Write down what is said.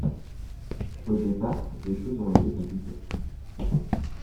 Au départ, les choses ont été compliquées.